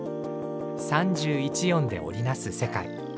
３１音で織り成す世界。